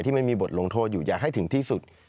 ไม่มีบทลงโทษอยู่อย่าให้ถึงที่สุด